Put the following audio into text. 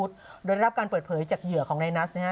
โดยได้รับการเปิดเผยจากเหยื่อของในนัสนะฮะ